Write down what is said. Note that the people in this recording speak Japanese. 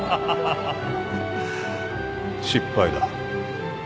失敗だ。